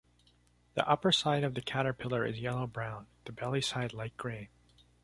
The upper side of the caterpillar is yellow-brown, the belly side light grey.